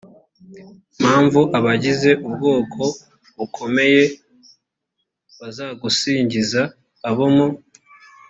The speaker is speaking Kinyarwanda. mpamvu abagize ubwoko bukomeye bazagusingiza abo mu